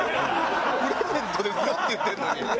プレゼントですよって言ってるのに。